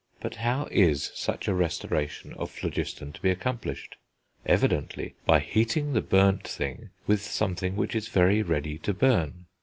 But how is such a restoration of phlogiston to be accomplished? Evidently by heating the burnt thing with something which is very ready to burn.